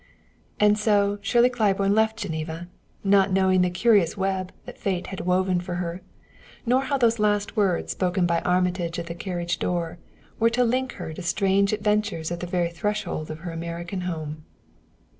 And so Shirley Claiborne left Geneva, not knowing the curious web that fate had woven for her, nor how those last words spoken by Armitage at the carriage door were to link her to strange adventures at the very threshold of her American home.